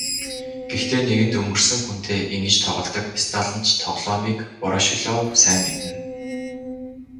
Гэхдээ нэгэнт өнгөрсөн хүнтэй ингэж тоглодог сталинч тоглоомыг Ворошилов сайн мэднэ.